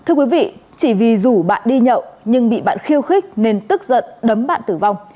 thưa quý vị chỉ vì rủ bạn đi nhậu nhưng bị bạn khiêu khích nên tức giận đấm bạn tử vong